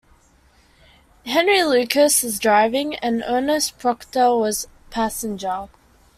Henry Lucas was driving and Ernest Proctor was passenger.